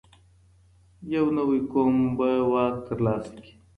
یو نوی قوم به واک ترلاسه کړي.